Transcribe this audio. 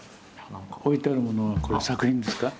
置いてあるものはこれ作品ですか？